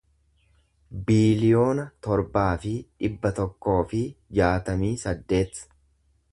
biiliyoona torbaa fi dhibba tokkoo fi jaatamii saddeet